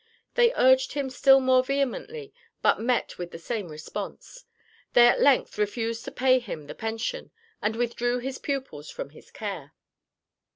They urged him still more vehemently, but met with the same response. They at length refused to pay him the pension, and withdrew his pupils from his care.